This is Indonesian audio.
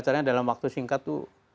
caranya dalam waktu singkat tuh